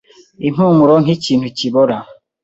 Impumuro nkikintu kibora.